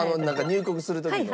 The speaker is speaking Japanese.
入国する時の。